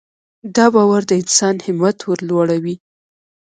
دا باور د انسان همت ورلوړوي.